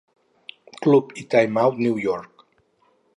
Club" i "Time Out" New York.